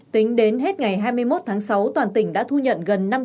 tính đến hết ngày hai mươi một tháng sáu toàn tỉnh đã thu nhận gần năm trăm chín mươi năm